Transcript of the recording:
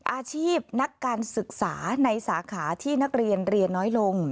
อาชีพนักการศึกษาในสาขาที่นักเรียนเรียนน้อยลง